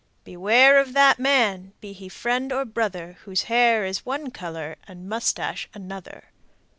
Beware of that man, Be he friend or brother, Whose hair is one color And moustache another.